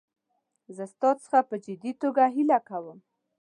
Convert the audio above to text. زه ستا څخه په جدي توګه هیله کوم.